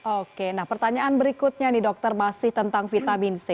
oke nah pertanyaan berikutnya nih dokter masih tentang vitamin c